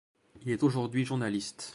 Il est aujourd'hui journaliste.